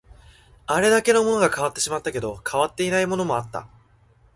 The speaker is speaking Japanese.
あれだけのものが変わってしまったけど、変わっていないものもあった